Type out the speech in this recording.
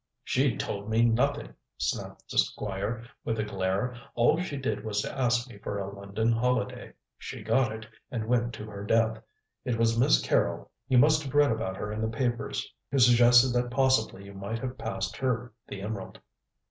"She told me nothing," snapped the Squire, with a glare. "All she did was to ask me for a London holiday. She got it and went to her death. It was Miss Carrol you must have read about her in the papers who suggested that possibly you might have passed her the emerald."